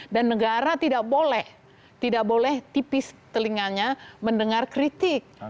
dan negara tidak boleh tidak boleh tipis telinganya mendengar kritik